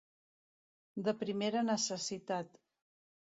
De primera necessitat.